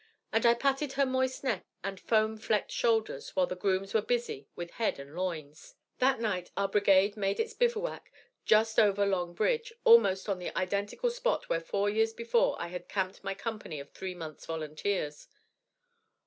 And I patted her moist neck and foam flecked shoulders, while the grooms were busy with head and loins. "That night our brigade made its bivouac just over Long Bridge, almost on the identical spot where four years before I had camped my company of three months' volunteers.